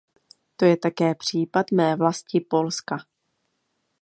To je také případ mé vlasti, Polska.